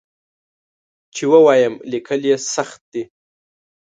چې ووایم لیکل یې سخت دي.